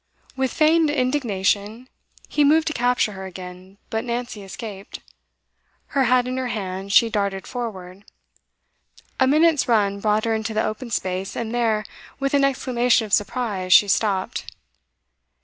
With feigned indignation, he moved to capture her again; but Nancy escaped. Her hat in her hand, she darted forward. A minute's run brought her into the open space, and there, with an exclamation of surprise, she stopped.